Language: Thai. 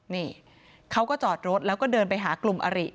นี่เขาก็จอดรถแล้วก็เดินไปหากลุ่มอริ